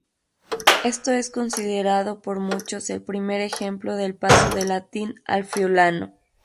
Esto es considerado por muchos el primer ejemplo del paso del latín al friulano.